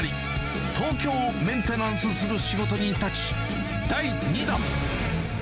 東京をメンテナンスする仕事人たち第２弾。